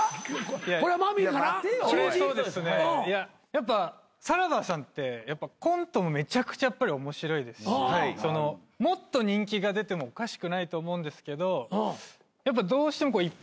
やっぱさらばさんってコントもめちゃくちゃ面白いですしもっと人気が出てもおかしくないと思うんですけどやっぱどうしても一般の人気があんまりその。